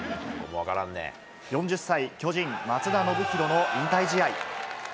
４０歳、巨人、松田宣浩の引退試合。